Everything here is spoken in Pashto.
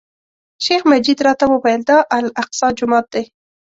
شیخ مجید راته وویل، دا الاقصی جومات دی.